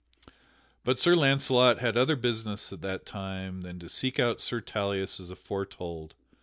But Sir Launcelot had other business at that time than to seek out Sir Tauleas as aforetold.